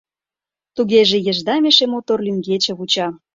— Тугеже ешдам эше мотор лӱмгече вуча!